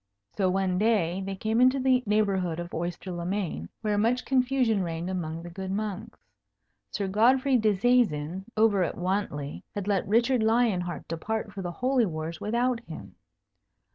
So, one day, they came into the neighbourhood of Oyster le Main, where much confusion reigned among the good monks. Sir Godfrey Disseisin over at Wantley had let Richard Lion Heart depart for the Holy Wars without him.